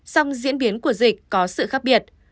song diễn biến của dịch có sự khác biệt